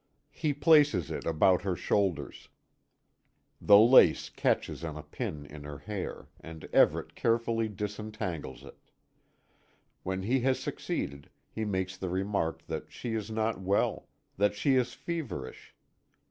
He places it about her shoulders the lace catches on a pin in her hair, and Everet carefully disentangles it. When he has succeeded, he makes the remark that she is not well that she is feverish.